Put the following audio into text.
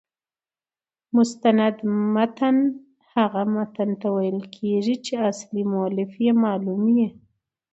مستند متن هغه متن ته ویل کیږي، چي اصلي مؤلف يې معلوم يي.